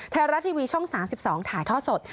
ไทยรัฐทีวีช่อง๓๒ถ่ายทอดสด